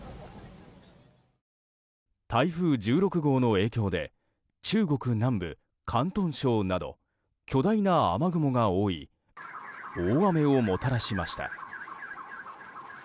台風１６号の影響で中国南部、広東省など巨大な雨雲が覆い大雨をもたらしました。